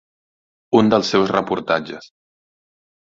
Un dels seus reportatges.